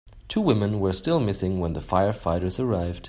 Two women were still missing when the firefighters arrived.